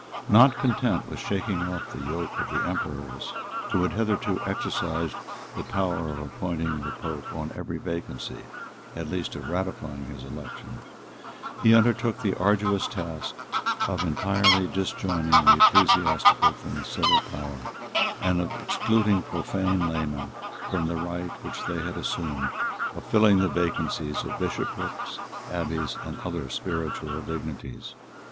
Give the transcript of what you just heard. Not content with shaking off the yoke of the emperors, who had hitherto exercised the power of appointing the pope on every vacancy, at least of ratifying his election, he undertook the arduous task of entirely disjoining the ecclesiastical from the civil power, and of excluding profane laymen from the right which they had assumed, of filling the vacancies of bishoprics, abbeys, and other spiritual dignities.